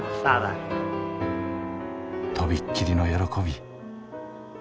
「とびっきりの喜び」。